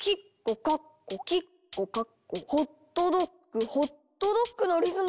「ホットドッグホットドッグ」のリズムだ！